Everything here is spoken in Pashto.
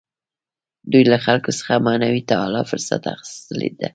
دوی له خلکو څخه معنوي تعالي فرصت اخیستی دی.